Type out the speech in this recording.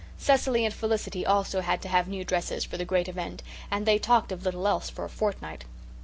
Cecily and Felicity also had to have new dresses for the great event, and they talked of little else for a fortnight.